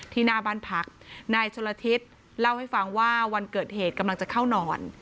หน้าบ้านพักนายชนละทิศเล่าให้ฟังว่าวันเกิดเหตุกำลังจะเข้านอน